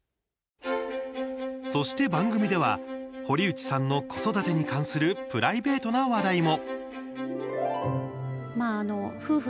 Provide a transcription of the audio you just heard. そして番組では堀内さんの子育てに関するプライベートな話題も。